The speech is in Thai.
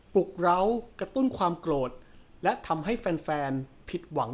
ลุกร้าวกระตุ้นความโกรธและทำให้แฟนผิดหวัง